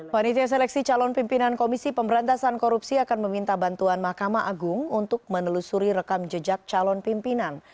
panitia seleksi calon pimpinan komisi pemberantasan korupsi akan meminta bantuan mahkamah agung untuk menelusuri rekam jejak calon pimpinan